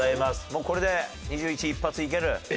もうこれで２１１発いける？